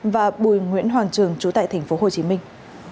và bùi nguyễn hoàng trường chú tại tp hồ chí minh